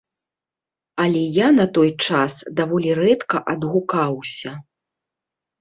Але я на той час даволі рэдка адгукаўся.